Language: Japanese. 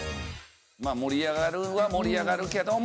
まあ盛り上がるは盛り上がるけども。